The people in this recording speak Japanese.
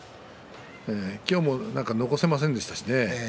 今日も残せませんでしたしね。